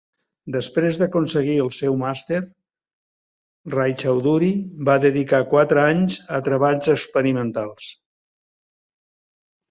Després d'aconseguir el seu màster, Raychaudhuri va dedicar quatre anys a treballs experimentals.